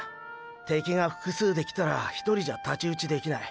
敵が複数で来たら１人じゃ太刀打ちできない。